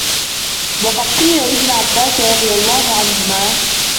وَقَدْ قِيلَ لِابْنِ عَبَّاسٍ رَضِيَ اللَّهُ عَنْهُمَا